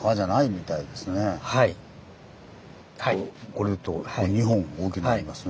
これと２本大きなのありますね。